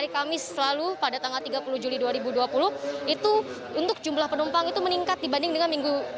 kamis lalu pada tanggal tiga puluh juli dua ribu dua puluh itu untuk jumlah penumpang itu meningkat dibanding dengan minggu